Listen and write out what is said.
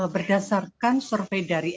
berdasarkan survei dari